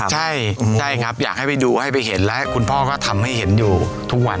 ใช่ใช่ครับอยากให้ไปดูให้ไปเห็นและคุณพ่อก็ทำให้เห็นอยู่ทุกวัน